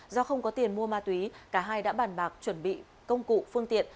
do không có tiền mua ma túy cả hai đã bàn bạc chuẩn bị công cụ phương tiện